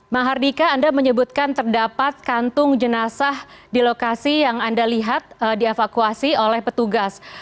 mahardika anda menyebutkan terdapat kantung jenazah di lokasi yang anda lihat dievakuasi oleh petugas